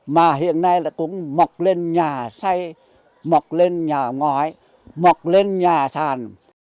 mà hiện nay là cũng mọc lên nhà xây mọc lên nhà ngói mọc lên nhà sàn